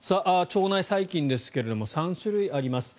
腸内細菌ですが３種類あります。